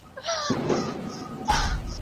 له ازله د خپل ځان په وینو رنګ یو !.